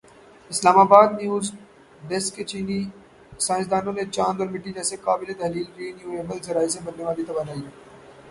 اسلام آبادنیو زڈیسکچینی سائنسدانوں نے چاند اور مٹی جیسے قابلِ تحلیل رینیوایبل ذرائع سے بننے والی توانائی